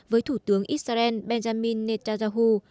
với thủ tướng israel benjamin netanyahu